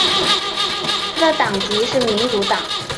他的党籍是民主党。